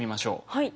はい。